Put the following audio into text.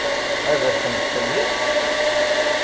Ad asent-ten-yefk?